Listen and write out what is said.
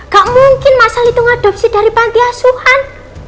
gak mungkin mas al itu ngeadopsi dari panti asuhan